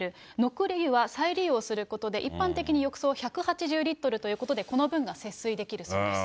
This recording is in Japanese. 残り湯は再利用することで一般的に浴槽は１８０リットルということで、この分が節水できるそうです。